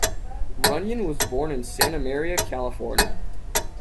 Runyan was born in Santa Maria, California.